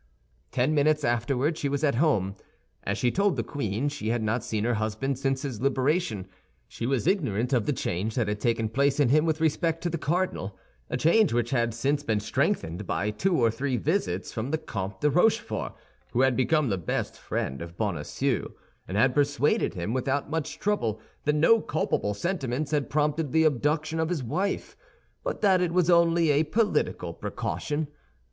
Ten minutes afterward she was at home. As she told the queen, she had not seen her husband since his liberation; she was ignorant of the change that had taken place in him with respect to the cardinal—a change which had since been strengthened by two or three visits from the Comte de Rochefort, who had become the best friend of Bonacieux, and had persuaded him, without much trouble, that no culpable sentiments had prompted the abduction of his wife, but that it was only a political precaution.